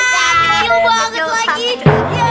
ya kecil banget lagi itu